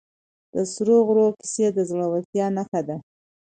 د سرو غرونو کیسه د زړه ورتیا نښه ده.